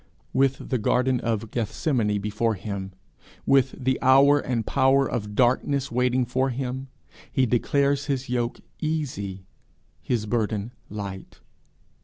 With the garden of Gethsemane before him, with the hour and the power of darkness waiting for him, he declares his yoke easy, his burden light.